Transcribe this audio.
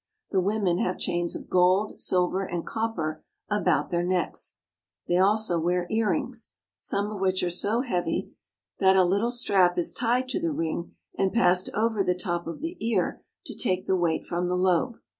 The women have chains of gold, silver, and copper about their necks. They also wear earrings, some of which are so heavy that a little strap is tied to the ring and passed over the top of the ear to take the weight from the lobe.